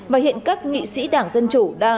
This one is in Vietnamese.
và hiện các nghị sĩ đảng dân chủ trong ủy ban trên